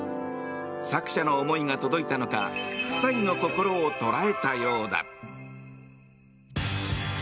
作者の思いが届いたのか夫妻の心をとらえたようだ。